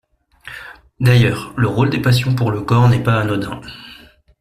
D'ailleurs le rôle des passions pour le corps n'est pas anodin.